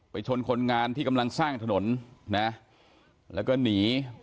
ชนคนงานที่กำลังสร้างถนนนะแล้วก็หนี